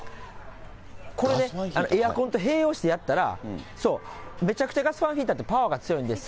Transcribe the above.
これね、エアコンと併用してやったら、めちゃくちゃガスファンヒーターってパワーが強いんです